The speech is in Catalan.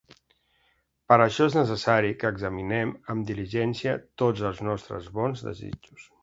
Per això és necessari que examinem amb diligència tots els nostres bons desitjos.